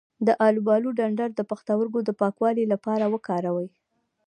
د الوبالو ډنډر د پښتورګو د پاکوالي لپاره وکاروئ